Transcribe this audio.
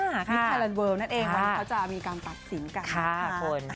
วิทยาลัยเวิร์นนั่นเองวันนี้ก็จะมีการตัดสินกัน